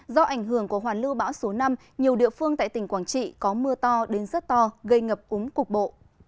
do ảnh hưởng của hoàn lưu bão số năm nhiều địa phương tại tỉnh quảng trị có mưa to đến rất to gây ngập úng cục bộ